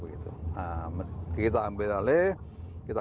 kita ambil alih kita komunikasi